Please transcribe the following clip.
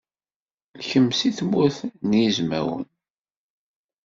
Kemm seg Tmurt n Yizwawen?